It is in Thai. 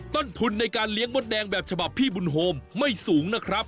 ต้นทุนในการเลี้ยงมดแดงแบบฉบับพี่บุญโฮมไม่สูงนะครับ